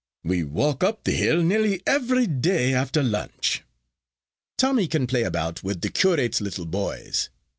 We walk up the hill nearly every day after lunch. Tommy can play about with the curate's little boys.